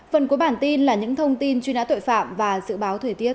phần cuối bản tin là những thông tin truy nã tội phạm và dự báo thời tiết